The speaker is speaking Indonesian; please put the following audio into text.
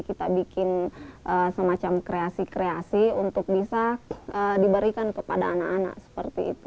kita bikin semacam kreasi kreasi untuk bisa diberikan kepada anak anak seperti itu